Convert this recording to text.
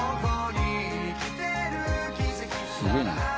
すげえな。